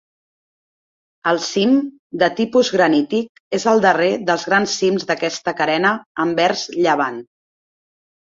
El cim, de tipus granític, és el darrer dels grans cims d'aquesta carena envers llevant.